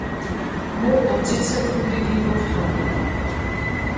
მუ ოძიცე ქუდი გიგორთუნა.